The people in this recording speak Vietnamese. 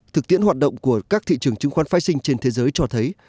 thực tiễn hoạt động của các thị trường chứng khoán phái sinh trên thế giới cho thấy